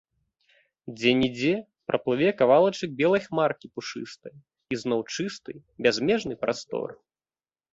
Дзе-нідзе праплыве кавалачак белай хмаркі пушыстай, і зноў чысты, бязмежны прастор.